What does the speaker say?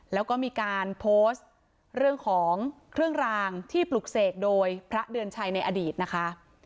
แล้วก็มีการโพสต์เรื่องของเครื่องรางที่ปลุกเสกโดยพระเดือนชัยในอดีตนะคะ